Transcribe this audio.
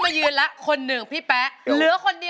ขอต้อนรับพี่หนุตรี